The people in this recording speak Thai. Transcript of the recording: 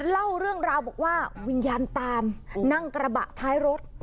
เล่าเรื่องราวบอกว่าวิญญาณตามนั่งกระบะท้ายรถ